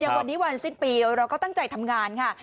วันนี้วันสิ้นปีเราก็ตั้งใจทำงานค่ะ